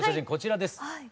こちらです。